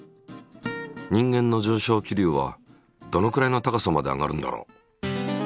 人間の上昇気流はどのくらいの高さまで上がるんだろう？